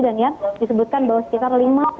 dan yang disebutkan bahwa sekitar lima puluh